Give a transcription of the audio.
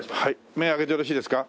目開けてよろしいですか？